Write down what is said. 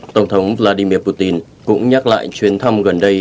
tổng thống vladimir putin cũng nhắc lại chuyến thăm gần đây